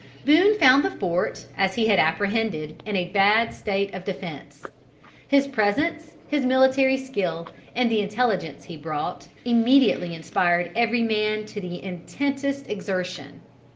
Boone found the fort as he had apprehended, in a bad state of defence. His presence, his military skill, and the intelligence he brought, immediately inspired every man to the intensest exertion.